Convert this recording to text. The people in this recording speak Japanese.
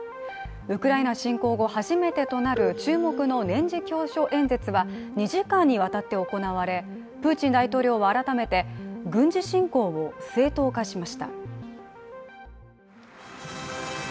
ウクライナ侵攻後、初めてとなる注目の年次教書演説は２時間にわたって行われ、プーチン大統領は改めて軍事侵攻を正当化しました。